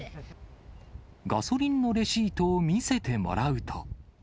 ガソリンのレシートを見せてもらうと。